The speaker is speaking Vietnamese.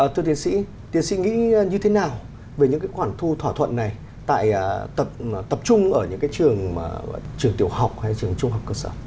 thưa tiền sĩ tiền sĩ nghĩ như thế nào về những khoản thu thỏa thuận này tập trung ở những trường tiểu học hay trường trung học cơ sở